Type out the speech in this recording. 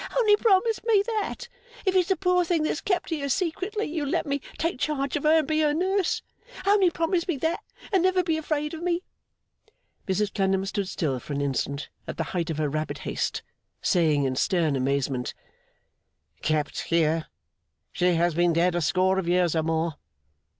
Only promise me, that, if it's the poor thing that's kept here secretly, you'll let me take charge of her and be her nurse. Only promise me that, and never be afraid of me.' Mrs Clennam stood still for an instant, at the height of her rapid haste, saying in stern amazement: 'Kept here? She has been dead a score of years or more.